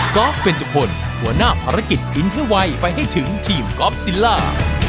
อล์ฟเบนจพลหัวหน้าภารกิจกินให้ไวไปให้ถึงทีมกอล์ฟซิลล่า